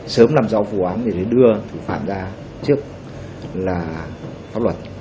sớm làm rõ vụ án để đưa thủ phạm ra trước là pháp luật